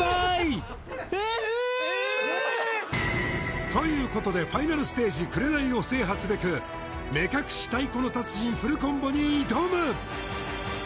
・えっ？ということでファイナルステージ「紅」を制覇すべく目隠し太鼓の達人フルコンボに挑む！